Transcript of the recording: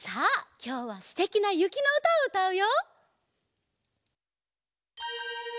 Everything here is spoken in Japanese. きょうはすてきなゆきのうたをうたうよ！